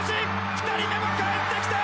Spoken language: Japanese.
２人目もかえってきた！